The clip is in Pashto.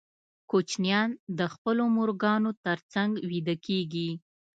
کوچنیان د خپلو مورګانو تر څنګ ویده کېږي.